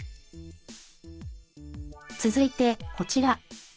続いてこちら。